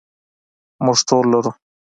موږ ټول لرو.